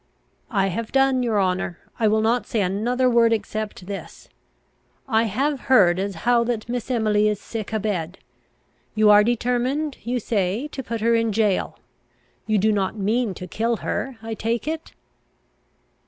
"I have done, your honour. I will not say another word except this, I have heard as how that Miss Emily is sick a bed. You are determined, you say, to put her in jail. You do not mean to kill her, I take it."